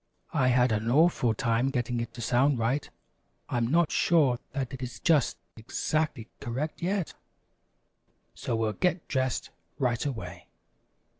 I had an awful time getting it to sound right. I'm not sure that it is just exactly correct yet. So we'll get dressed right away.